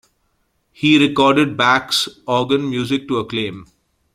He recorded Bach's organ music to acclaim.